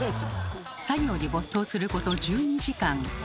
作業に没頭すること１２時間。